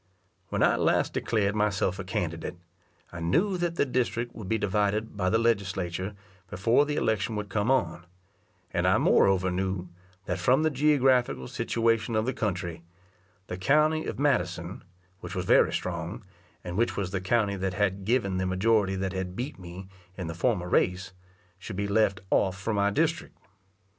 When I last declared myself a candidate, I knew that the district would be divided by the Legislature before the election would come on; and I moreover knew, that from the geographical situation of the country, the county of Madison, which was very strong, and which was the county that had given the majority that had beat me in the former race, should be left off from my district.